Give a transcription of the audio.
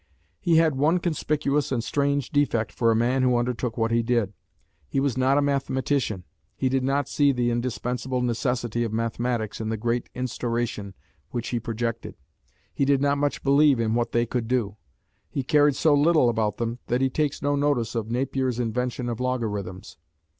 He had one conspicuous and strange defect for a man who undertook what he did. He was not a mathematician: he did not see the indispensable necessity of mathematics in the great Instauration which he projected; he did not much believe in what they could do. He cared so little about them that he takes no notice of Napier's invention of Logarithms.